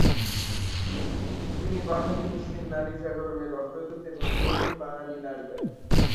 তিনি বাঙালি মুসলিম নারী জাগরণের অগ্রদূত এবং প্রথম বাঙালি নারীবাদী।